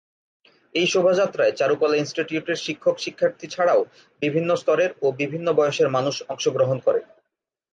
এই শোভাযাত্রায় চারুকলা ইন্সটিটিউটের শিক্ষক শিক্ষার্থী ছাড়াও বিভিন্ন স্তরের ও বিভিন্ন বয়সের মানুষ অংশগ্রহণ করে।